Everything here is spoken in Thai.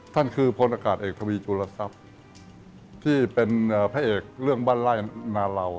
ท่านคือพลอากาศเอกทวีจุลทรัพย์ที่เป็นพระเอกเรื่องบ้านไล่นาเหล่า